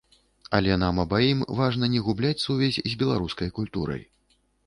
Але нам абаім важна не губляць сувязь з беларускай культурай.